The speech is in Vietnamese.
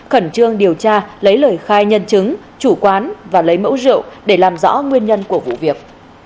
khẩn trương điều tra lấy lời khai nhân chứng chủ quán và lấy mẫu rượu để làm rõ nguyên nhân của vụ việc